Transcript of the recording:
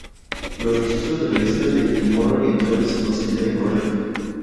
Los registros en la isla de Timor Oriental se considera incierto.